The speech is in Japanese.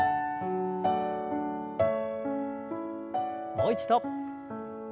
もう一度。